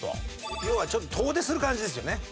要はちょっと遠出する感じですよね。